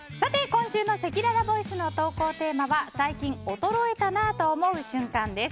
今週のせきららボイスの投稿テーマは最近衰えたなぁと思う瞬間です。